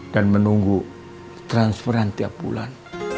dan menunggu transferan tiap bulan